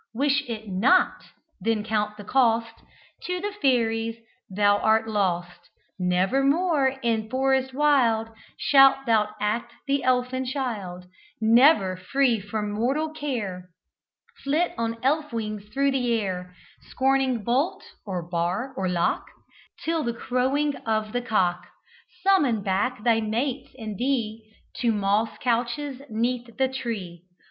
Wish it not! then count the cost To the Fairies thou art lost, Never more in forest wild Shalt thou act the elfin child; Never, free from mortal care, Flit on elf wings through the air: Scorning bolt, or bar, or lock, Till the crowing of the cock Summon back thy mates and thee To moss couches 'neath the tree.